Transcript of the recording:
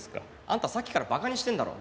あんたさっきからバカにしてんだろ。